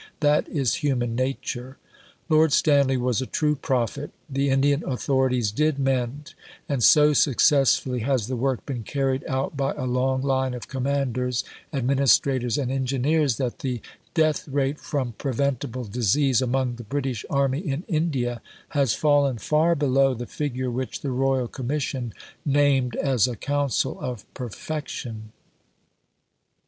That is human nature." Lord Stanley was a true prophet. The Indian authorities did mend; and so successfully has the work been carried out by a long line of Commanders, Administrators, and Engineers that the death rate from preventable disease among the British Army in India has fallen far below the figure which the Royal Commission named as a counsel of perfection.